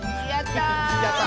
やった！